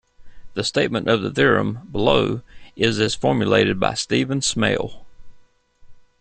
The statement of the theorem, below, is as formulated by Stephen Smale.